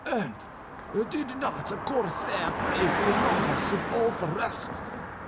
And did not a corsair bravely rob us of all the rest?